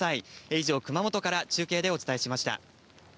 以上、熊本から中継でお伝えしました。